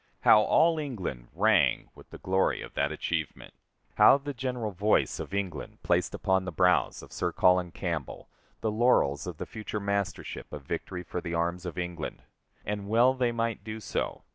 How all England rang with the glory of that achievement! How the general voice of England placed upon the brows of Sir Colin Campbell the laurels of the future mastership of victory for the arms of England! And well they might do so.